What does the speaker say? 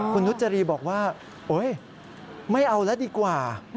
คุณนุษย์จรีย์บอกว่าไม่เอาแล้วดีกว่า